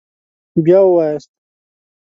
بیا ووایاست